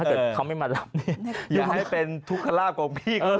ถ้าเกิดเขาไม่มารับเนี่ยอย่าให้เป็นทุกคราบของพี่ก็เลย